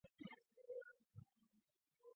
多花茶藨子为虎耳草科茶藨子属下的一个种。